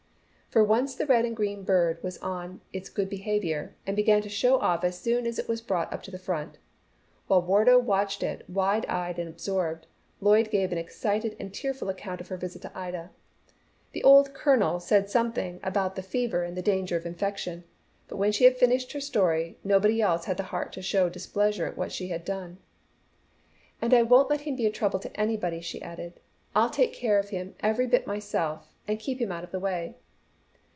For once the red and green bird was on its good behaviour, and began to show off as soon as it was brought to the front. While Wardo watched it, wide eyed and absorbed, Lloyd gave an excited and tearful account of her visit to Ida. The old Colonel said something about the fever and the danger of infection, but when she had finished her story nobody else had the heart to show displeasure at what she had done. "And I won't let him be a trouble to anybody!" she added. "I'll take care of him every bit myself, and keep him out of the way."